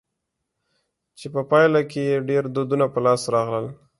چي په پايله کښي ئې ډېر دودونه په لاس راغلل.